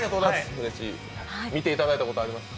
見ていただいたことありますか？